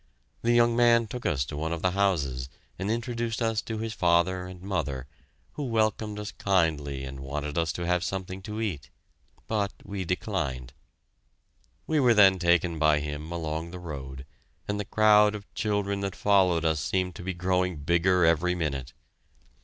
The young man took us to one of the houses and introduced us to his father and mother, who welcomed us kindly and wanted us to have something to eat. But we declined. We were then taken by him along the road, and the crowd of children that followed us seemed to be growing bigger every minute.